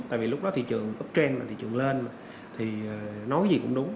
tại vì lúc đó thị trường uptrend thị trường lên thì nói gì cũng đúng